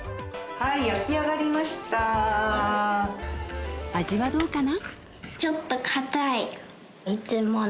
はい焼き上がりました味はどうかな？